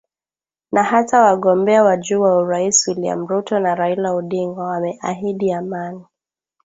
Na hata wagombea wa juu wa urais William Ruto na Raila Odinga wameahidi amani.